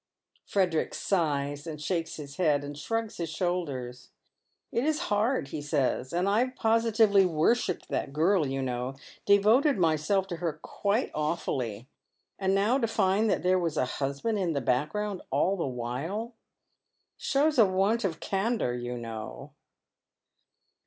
Frederick sighs, and shakes his head, and shrugs his shoulders. " It is hard," he says, " and I've positively worshipped that girl, you know — devoted myself to her quite awfully. And now to find that there was a husband in the background all the while. Shows a want of candour, you know."